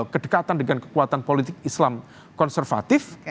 kedekatan dengan kekuatan politik islam konservatif